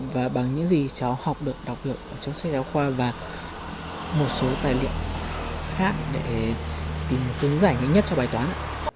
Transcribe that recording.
và bằng những gì cháu học được đọc được cháu xây đạo khoa và một số tài liệu khác để tìm phương giải nhất cho bài toán